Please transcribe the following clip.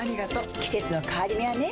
季節の変わり目はねうん。